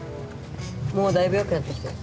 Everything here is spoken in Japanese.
もうだいぶよくなってきたよ。